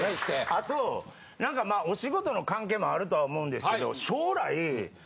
あとなんかお仕事の関係もあるとは思うんですけど。